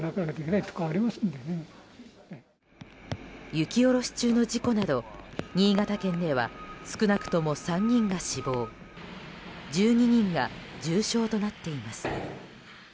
雪下ろし中の事故など新潟県では少なくとも３人が死亡１２人が重傷となっています。